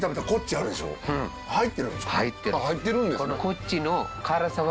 あっ入ってるんですね。